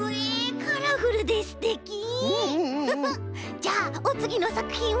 じゃあおつぎのさくひんは？